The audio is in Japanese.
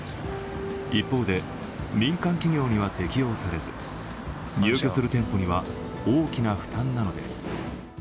一方で民間企業には適用されず入居する店舗には大きな負担なのです。